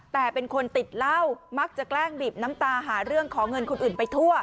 แต่เป็นคนติดเหล้ามักจะแกล้งบีบน้ำตาหาเรื่องขอเงินคนอื่นไปทั่ว